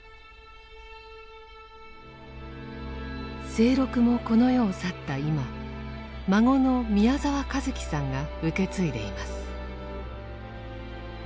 清六もこの世を去った今孫の宮澤和樹さんが受け継いでいます。